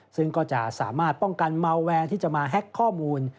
ซึ่งก็จะสามารถป้องกันเมาแวร์ที่จะมาแฮ็กข้อมูล